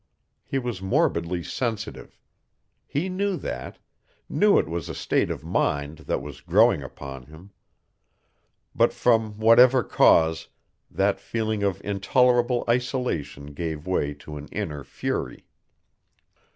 He was morbidly sensitive. He knew that, knew it was a state of mind that was growing upon him. But from whatever cause, that feeling of intolerable isolation gave way to an inner fury.